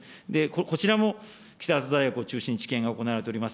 こちらも北里大学を中心に治験が行われております。